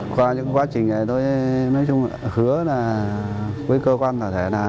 qua những quá trình này tôi nói chung là hứa với cơ quan